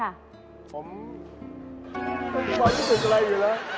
ปรายศึกอะไรอยู่แล้ว